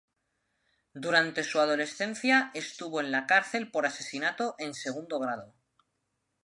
Durante su adolescencia estuvo en la cárcel por asesinato en segundo grado.